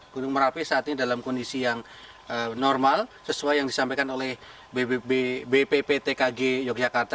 gunung merapi saat ini dalam kondisi yang normal sesuai yang disampaikan oleh bpptkg yogyakarta